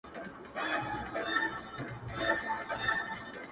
o چي غورځي، هغه پرځي٫